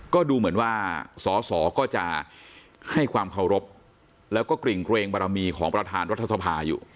ก็ดูเหมือนว่าสอสอก็จะให้ความเคารพแล้วก็กริ่งเกรงบารมีของประธานรัฐสภาอยู่